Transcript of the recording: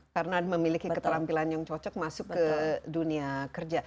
karena memiliki keterampilan yang cocok masuk ke dunia kerja